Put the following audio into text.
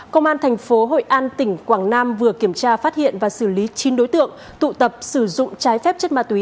công an thành phố hội an tỉnh quảng nam vừa kiểm tra phát hiện và xử lý chín đối tượng tụ tập sử dụng trái phép chất ma túy